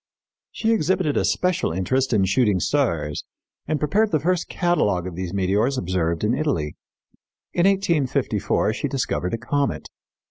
She exhibited a special interest in shooting stars and prepared the first catalogue of these meteors observed in Italy. In 1854 she discovered a comet.